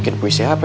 bikin puisi hp ya